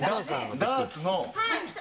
ダーツの。